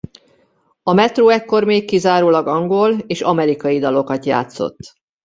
A Metro ekkor még kizárólag angol és amerikai dalokat játszott.